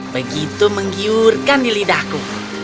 begitu menggiurkan di lidahku